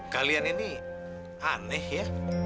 kalian ini aneh ya